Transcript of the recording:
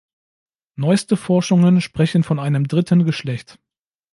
Neueste Forschungen sprechen von einem dritten Geschlecht.